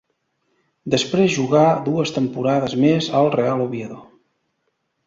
Després jugà dues temporades més al Real Oviedo.